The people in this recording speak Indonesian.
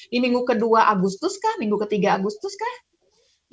di minggu ke dua agustus kah minggu ke tiga agustus kah